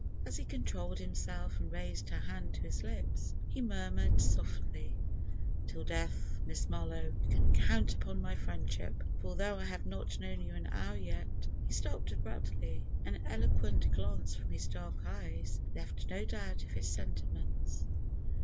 As he controlled himself and raised her hand to his lips, he murmured softly: "Till death, Miss Marlowe, you can count upon my friendship, for although I have not known you an hour yet——" He stopped abruptly. An eloquent glance from his dark eyes left no doubt of his sentiments.